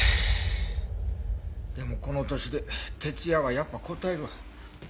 でもこの年で徹夜はやっぱこたえるわ。